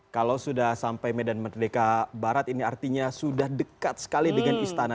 kalau sudah sampai medan merdeka barat ini artinya sudah dekat sekali dengan istana